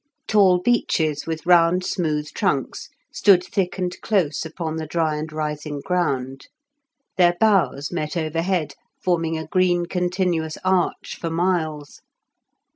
Tall beeches, with round smooth trunks, stood thick and close upon the dry and rising ground; their boughs met overhead, forming a green continuous arch for miles.